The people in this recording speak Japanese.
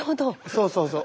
そうそうそう。